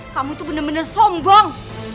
kamu tuh bener bener sombong